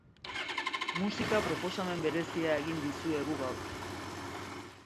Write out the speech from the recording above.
Musika proposamen berezia egin dizuegu gaur.